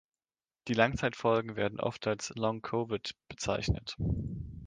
Die Langzeitfolgen werden oft als „Long Covid“ bezeichnet.